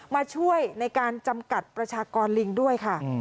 มาช่วยในการจำกัดประชากรลิงด้วยค่ะ